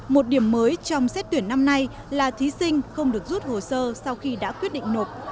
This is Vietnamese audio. một điểm mới trong xét tuyển năm nay là thí sinh không được rút hồ sơ sau khi đã quyết định nộp